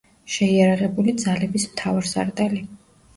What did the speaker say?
შეიარაღებული ძალების მთავარსარდალი.